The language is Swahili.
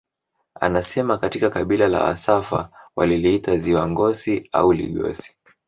Anasema katika kabila la wasafa waliliita ziwa Ngosi au Ligosi